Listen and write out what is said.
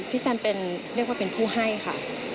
พี่แซมเรียกว่าเป็นผู้ให้ค่ะ